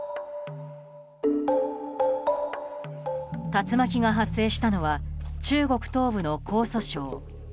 竜巻が発生したのは中国東部の江蘇省。